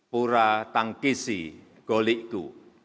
pura tangkisi golikku